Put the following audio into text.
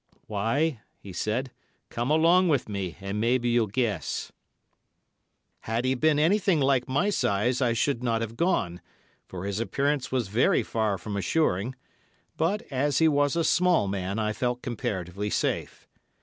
"Why," he said. "Come along with me, and maybe you'll guess." Had he been anything like my size I should not have gone, for his appearance was very far from assuring, but, as he was a small man, I felt comparatively safe.